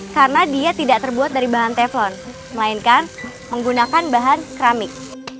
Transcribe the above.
karena dia tidak terbuat dari bahan teflon melainkan menggunakan bahan keramik